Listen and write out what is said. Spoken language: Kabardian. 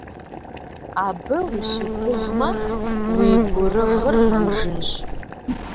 Абы ущыгугъмэ, уи гурыгъыр ижынщ.